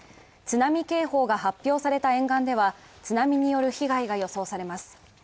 津波警報が発表された沿岸では、津波による被害が予想されます。